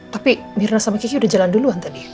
tapi mirna sama cici udah jalan duluan tadi